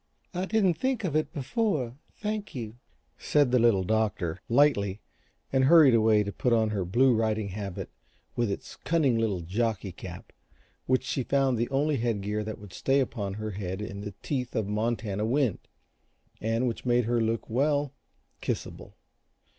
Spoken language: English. "I didn't think of it before thank you," said the Little Doctor, lightly, and hurried away to put on her blue riding habit with its cunning little jockey cap which she found the only headgear that would stay upon her head in the teeth of Montana wind, and which made her look well, kissable.